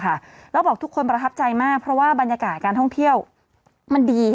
แล้วบอกทุกคนประทับใจมากเพราะว่าบรรยากาศการท่องเที่ยวมันดี